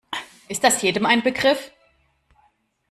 Ist das jedem ein Begriff?